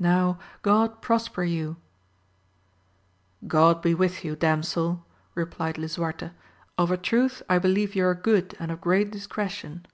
Now God prosper you !— God be with you, damsel, replied Lisuarte, of a truth I believe you are good and of great discretion.